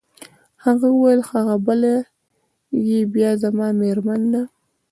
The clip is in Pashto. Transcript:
هغه وویل: هغه بله يې بیا زما مېرمن ده.